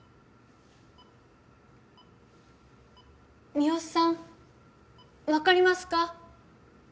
三吉さんわかりますか？